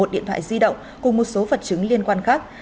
một điện thoại di động cùng một số vật chứng liên quan khác